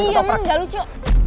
nyi emang gak lucu